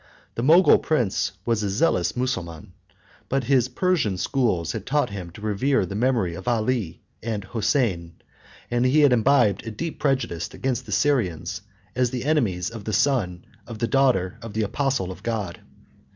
35 The Mogul prince was a zealous Mussulman; but his Persian schools had taught him to revere the memory of Ali and Hosein; and he had imbibed a deep prejudice against the Syrians, as the enemies of the son of the daughter of the apostle of God.